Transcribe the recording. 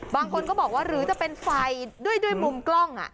บางคนก็บอกว่าหรือจะเป็นไฟด้วยมุมกล้อง